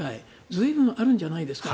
随分あるんじゃないですか。